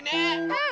うん！